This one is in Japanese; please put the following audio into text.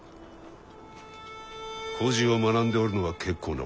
故事を学んでおるのは結構なことじゃ。